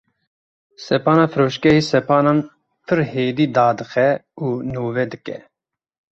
Sepana firoşgehê sepanan pir hêdî dadixe û nûve dike.